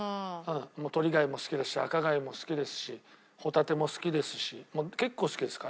トリ貝も好きですし赤貝も好きですしホタテも好きですし結構好きです貝。